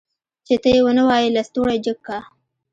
چې ته يې ونه وايي لستوڼی جګ که.